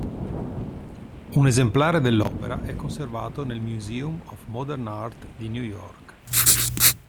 Un esemplare dell'opera è conservato nel Museum of Modern Art di New York.